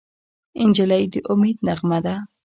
نجلۍ د امید نغمه ده.